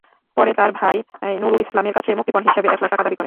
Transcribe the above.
পরে তাঁর ভাই নূরুল ইসলামের কাছে মুক্তিপণ হিসেবে একলাখ টাকা দাবি করেন।